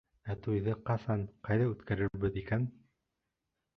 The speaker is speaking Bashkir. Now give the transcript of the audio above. Ә туйҙы ҡасан, ҡайҙа үткәрербеҙ икән?